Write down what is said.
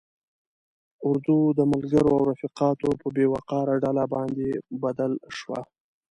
اردو د ملګرو او رفیقانو په بې وقاره ډله باندې بدل شوه.